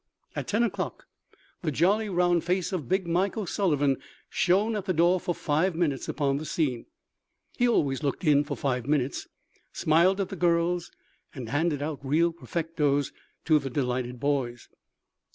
At 10 o'clock the jolly round face of "Big Mike" O'Sullivan shone at the door for five minutes upon the scene. He always looked in for five minutes, smiled at the girls and handed out real perfectos to the delighted boys.